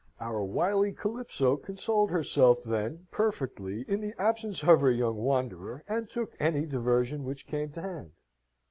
Our wily Calypso consoled herself, then, perfectly, in the absence of her young wanderer, and took any diversion which came to hand.